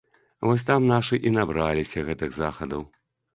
Вось там нашы і набраліся гэтых захадаў.